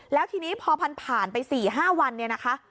แล้วทีนี้พอมันผ่านไป๔๕วันเนี่ยนะคะ